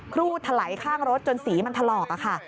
ครูดถลายข้างรถจนสีมันถลอกค่ะ